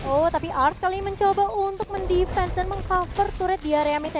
oh tapi ars kali ini mencoba untuk mendefense dan meng cover turut di area meta